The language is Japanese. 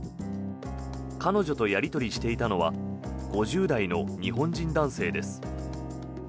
彼女とやり取りしていたのは５０代の日本人男性です。